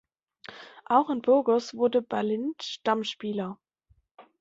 Auch in Burgos wurde Balint Stammspieler.